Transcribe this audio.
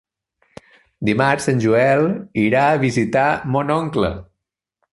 Dimarts en Joel irà a visitar mon oncle.